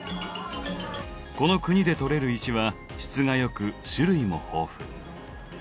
この国で採れる石は質が良く種類も豊富。